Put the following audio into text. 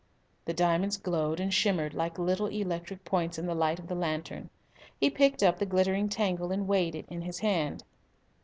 The diamonds glowed and shimmered like little electric points in the light of the lantern. He picked up the glittering tangle and weighed it in his hand.